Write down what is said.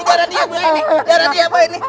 darah dia mah ini